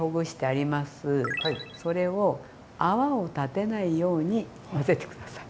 それを泡を立てないように混ぜて下さい。